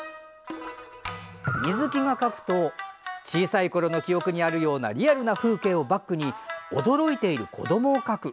水木が描くと小さいころの記憶にあるようなリアルな風景をバックに驚いている子どもを描く。